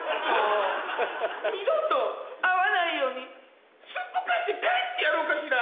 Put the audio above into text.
二度と会わないようにすっぽかして帰ってやろうかしら？